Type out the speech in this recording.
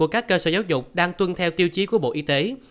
các cơ sở giáo dục đang tuân theo tiêu chí của bộ y tế